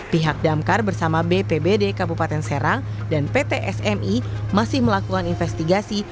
pihak damkar bersama bpbd kabupaten serang dan pt smi masih melakukan investigasi